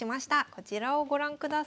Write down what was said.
こちらをご覧ください。